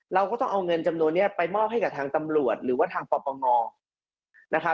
เราก็ต้องเอาเงินจำนวนนี้ไปมอบให้กับทางตำรวจหรือว่าทางปปงนะครับ